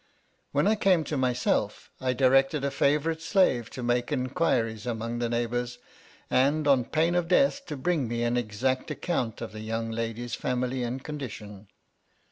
When I came to myself, I directed a favourite slave to make enquiries among the neighbours, and, on pain of death, to bring me an exact account of the young lady's family and condition.